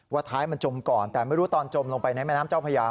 ท้ายมันจมก่อนแต่ไม่รู้ตอนจมลงไปในแม่น้ำเจ้าพญา